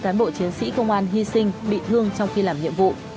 cán bộ chiến sĩ công an hy sinh bị thương trong khi làm nhiệm vụ